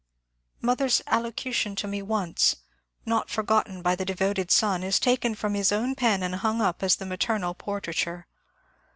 ^^ Mother's allocution to me once," not for gotten by the devoted son, is taken from his own pen and hung up as the maternal portraiture.